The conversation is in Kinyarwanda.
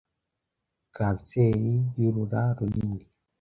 kanseri y’urura runini